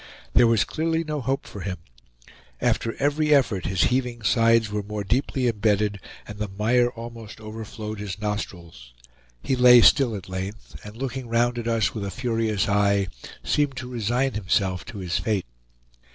There was clearly no hope for him. After every effort his heaving sides were more deeply imbedded and the mire almost overflowed his nostrils; he lay still at length, and looking round at us with a furious eye, seemed to resign himself to his fate.